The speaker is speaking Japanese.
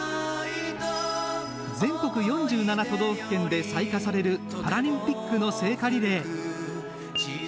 全国４７都道府県で採火されるパラリンピックの聖火リレー。